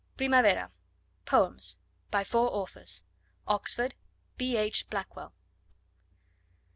Primavera: Poems. By Four Authors. (Oxford: B. H. Blackwell.)